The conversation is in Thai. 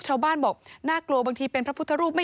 ชาวบ้านบอกน่ากลัวบางทีเป็นพระพุทธรูป